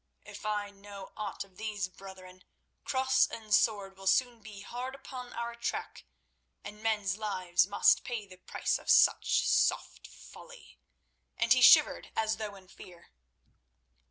"If I know aught of these brethren, cross and sword will soon be hard upon our track, and men's lives must pay the price of such soft folly." And he shivered as though in fear.